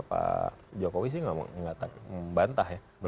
pak jokowi sih nggak bantah ya